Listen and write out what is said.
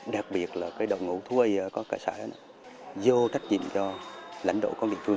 đặc biệt là đồng ngũ thú y ở các xã đó